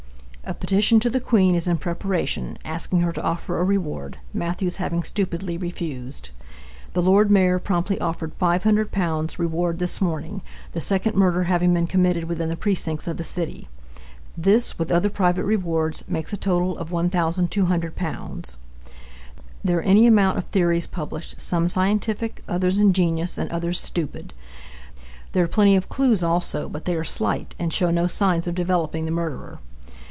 A petition to the Queen is in preparation, asking her to offer a reward, Mathews having stupidly refused. The Lord Mayor promptly offered £500 reward this morning, the second murder having been committed within the precincts of the city. This, with other private rewards, makes a total of £1,200. There are any amount of theories published, some scientific, others ingenious, and others stupid. There are plenty of clues also, but they are slight, and show no signs of developing the murderer.